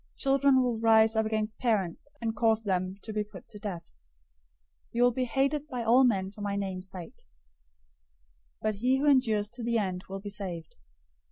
Children will rise up against parents, and cause them to be put to death. 010:022 You will be hated by all men for my name's sake, but he who endures to the end will be saved.